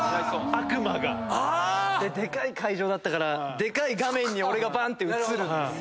悪魔が。ででかい会場だったからでかい画面に俺がバン！って映るんですよ。